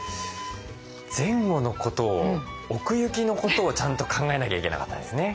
前後のことを奥行きのことをちゃんと考えなきゃいけなかったですね。